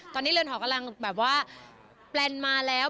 ตอนนี้เรือนหอกำลังแบบว่าแปลนมาแล้ว